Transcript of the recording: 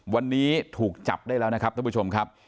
วันนี้ถูกจับได้แล้วนะครับท่านผู้ชมครับ